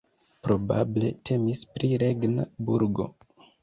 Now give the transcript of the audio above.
Probable temis pri regna burgo.